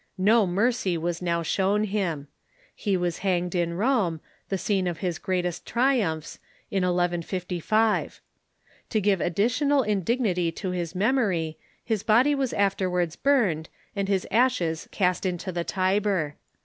No mercy was now shown him. He was hanged in Rome, the scene of his greatest triumphs, in 1155. To give additional indignity to his memory, his body was afterwards burned, and his ashes cast into the Tiber.